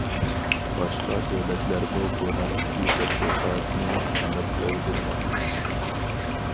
باشقا دۆلەتلەرمۇ بۇ ھەقتىكى تەتقىقاتنى قانات يايدۇرغان.